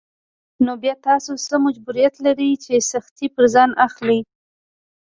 نو بيا تاسو څه مجبوريت لرئ چې سختۍ پر ځان اخلئ.